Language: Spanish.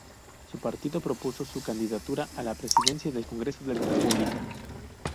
Su partido propuso su candidatura a la Presidenta del Congreso de la República.